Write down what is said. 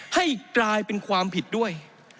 ให้กลายเป็นความผิดด้วย